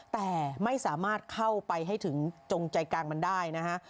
แต่ไม่สามารถเข้าไปให้ถึงจงใจกลางมันได้นะฮะ